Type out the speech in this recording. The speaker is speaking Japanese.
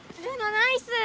ナイス！